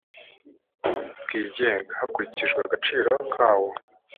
bwigenga hakurikijwe agaciro kawo